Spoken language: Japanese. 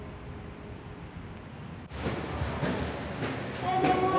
おはようございます。